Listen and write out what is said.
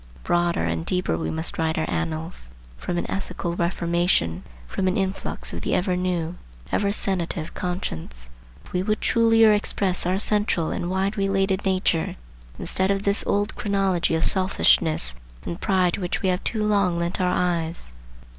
Broader and deeper we must write our annals,—from an ethical reformation, from an influx of the ever new, ever sanative conscience,—if we would trulier express our central and wide related nature, instead of this old chronology of selfishness and pride to which we have too long lent our eyes.